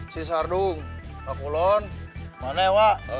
si sardung pak kulon mane wak